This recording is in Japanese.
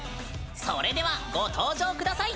それでは、ご登場ください